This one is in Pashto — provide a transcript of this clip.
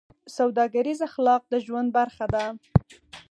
سوداګریز اخلاق د ژوند برخه ده.